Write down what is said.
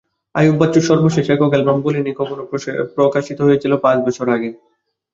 আইয়ুব বাচ্চুর সর্বশেষ একক অ্যালবাম বলিনি কখনো প্রকাশিত হয়েছিল পাঁচ বছর আগে।